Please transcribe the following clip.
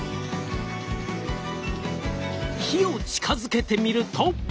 火を近づけてみると。